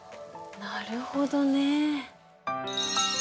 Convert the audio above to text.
なるほどね。